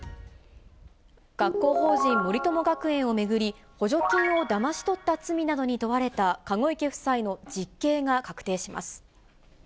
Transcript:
学校法人森友学園を巡り、補助金をだまし取った罪などに問われた籠池夫妻の実刑が確定します。